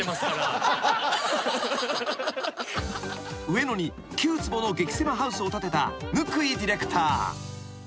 ［上野に９坪の激せまハウスを建てた温井ディレクター］